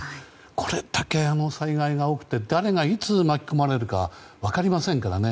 これだけ災害が起きて、誰がいつ巻き込まれるか分かりませんからね。